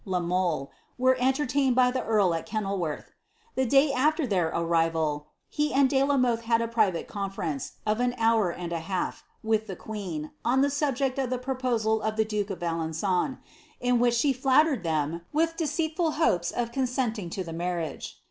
La ■ofe« were entertained by the earl at Keuil worth. The day after their anriial, he and De la Mole had a private conference, of an hour and a hsU^ with the queen, on the subject of the proposal of the duke of ileojon, in which she flattered them with deceitful hopes of consenting Id the marriage.